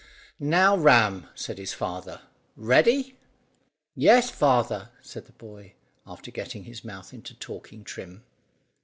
"Now, Ram," said his father, "ready?" "Yes, father," said the boy, after getting his mouth into talking trim.